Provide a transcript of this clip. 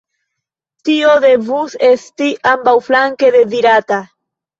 Tio devus esti ambaŭflanke dezirata.